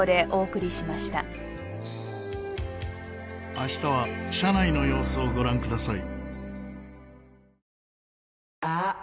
明日は車内の様子をご覧ください。